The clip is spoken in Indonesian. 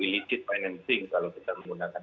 licid financing kalau kita menggunakan